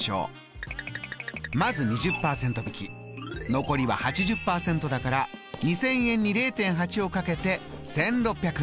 残りは８０％だから２０００円に０．８を掛けて１６００円。